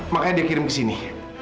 makanya dia kirim ke sini